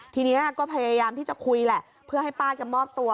ทีนี้ก็พยายามที่จะคุยแหละเพื่อให้ป้าจะมอบตัว